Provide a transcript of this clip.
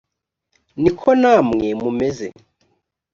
ni ko namwe mumeze